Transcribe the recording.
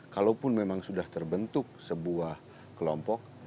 kalaupun memang sudah terbentuk sebuah kelompok